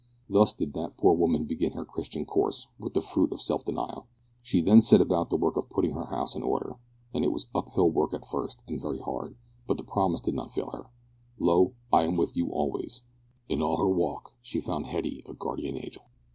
Thus did that poor woman begin her Christian course with the fruit of self denial. She then set about the work of putting her house in order. It was up hill work at first, and very hard, but the promise did not fail her, "Lo! I am with you alway." In all her walk she found Hetty a guardian angel.